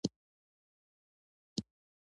ډاکټر تاج محمد ګل حمید خان د خاد مدیریت ته بوت